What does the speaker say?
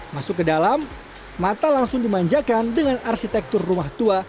masuk ke dalam mata langsung dimanjakan dengan arsitektur rumah tua